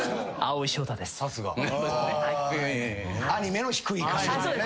アニメの低い。